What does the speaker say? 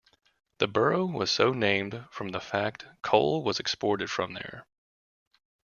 The borough was so named from the fact coal was exported from here.